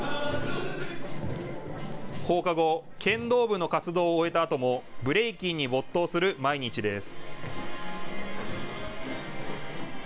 放課後、剣道部の活動を終えたあともブレイキンに没頭する毎日です。